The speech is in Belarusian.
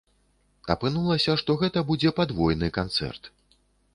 Апынулася, што гэта будзе падвойны канцэрт.